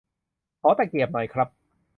ขอตะเกียบหน่อยครับ